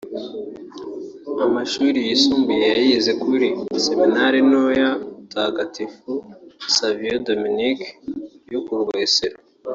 Amashuri yisumbuye yayize kuri “Seminari Nto ya Mutagatifu Saviyo Dominiko” yo ku Rwesero